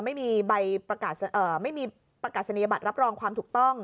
ไม่มีประกาศณียบัติรับรองความถูกต้อง